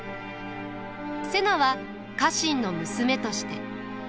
瀬名は家臣の娘として。